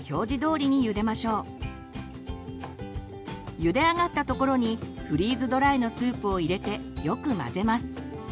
ゆで上がったところにフリーズドライのスープを入れてよく混ぜます。